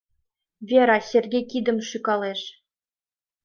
— Вера Сергей кидым шӱкалеш.